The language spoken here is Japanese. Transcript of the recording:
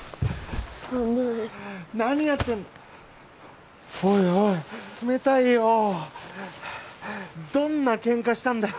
寒い何やってんおいおい冷たいよどんなケンカしたんだよ